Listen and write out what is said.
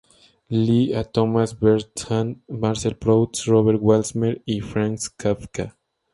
Lee a Thomas Bernhardt, Marcel Proust, Robert Walser y Franz Kafka.